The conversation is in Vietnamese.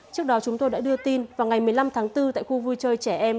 trước đó chúng tôi đã đưa tin vào ngày một mươi năm tháng bốn tại khu vui chơi trẻ em